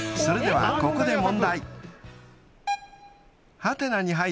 ［それではここで］